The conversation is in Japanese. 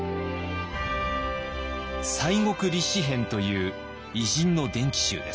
「西国立志編」という偉人の伝記集です。